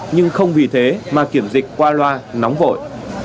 nhưng không vì thế mà kiểm dịch qua loa nóng vội